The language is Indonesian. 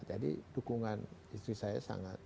jadi dukungan istri saya sangat